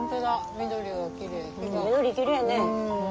緑きれいね。